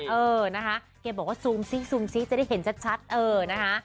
เออนะคะแกบอกว่าซูมซิซูมซิจะได้เห็นชัดเออนะคะ